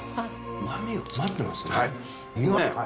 旨みが詰まってますね。